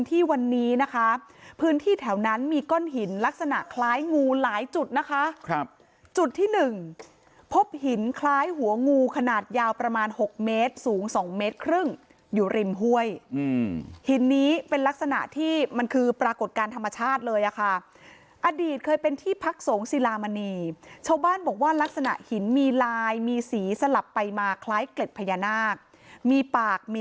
ที่วันนี้นะคะพื้นที่แถวนั้นมีก้อนหินลักษณะคล้ายงูหลายจุดนะคะครับจุดที่หนึ่งพบหินคล้ายหัวงูขนาดยาวประมาณ๖เมตรสูง๒เมตรครึ่งอยู่ริมห้วยอืมหินนี้เป็นลักษณะที่มันคือปรากฏการณ์ธรรมชาติเลยอะค่ะอดีตเคยเป็นที่พักสงฆ์ศิลามณีชาวบ้านบอกว่าลักษณะหินมีลายมีสีสลับไปมาคล้ายเกล็ดพญานาคมีปากมี